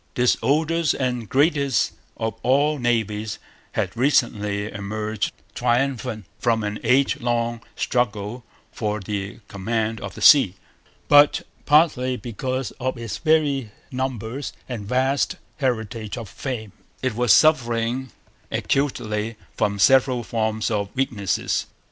This oldest and greatest of all navies had recently emerged triumphant from an age long struggle for the command of the sea. But, partly because of its very numbers and vast heritage of fame, it was suffering acutely from several forms of weakness.